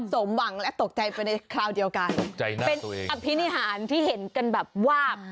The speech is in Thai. สมหวังและตกใจไปในคราวเดียวกันตกใจนะเป็นอภินิหารที่เห็นกันแบบว่า